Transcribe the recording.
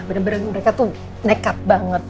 bener bener mereka tuh nekat banget